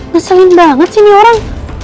ngeselin banget sih ini orang